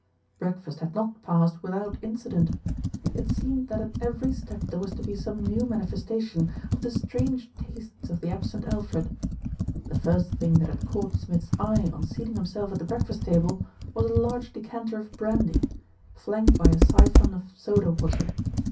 Breakfast had not passed without incident. It 64 THE RETURN OF ALFRED seemed that at every step there was to be some new manifestation of the strange tastes of the absent Alfred. The first thing that had caught Smith's eye on seat ing himself at the breakfast table was a large decanter of brandy, flanked by a syphon of soda water.